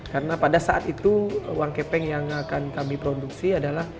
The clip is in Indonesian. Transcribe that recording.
karena pada saat itu uang kepeng yang akan kami produksi adalah